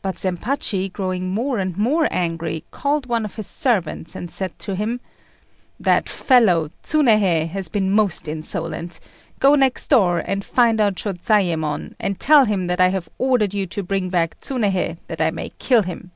But Zempachi, growing more and more angry, called one of his servants, and said to him "That fellow, Tsunéhei, has been most insolent: go next door and find out Shôzayémon, and tell him that I have ordered you to bring back Tsunéhei, that I may kill him."